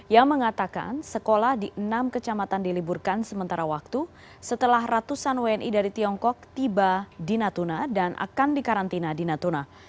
yang mengatakan sekolah di enam kecamatan diliburkan sementara waktu setelah ratusan wni dari tiongkok tiba di natuna dan akan dikarantina di natuna